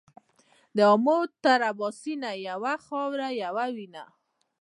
له امو تر اباسينه يوه خاوره يوه وينه.